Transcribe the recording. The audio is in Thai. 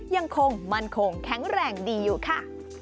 ยังคงมั่นคงแข็งแรงดีอยู่ค่ะ